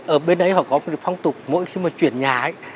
ở bên ấy họ có một phong tục mỗi khi mà chuyển nhà ấy